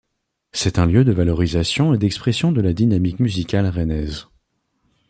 C'est un lieu de valorisation et d’expression de la dynamique musicale rennaise.